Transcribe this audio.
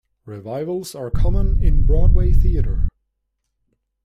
Revivals are common in Broadway theatre.